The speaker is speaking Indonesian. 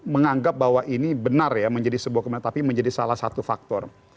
menganggap bahwa ini benar ya menjadi sebuah kebenaran tapi menjadi salah satu faktor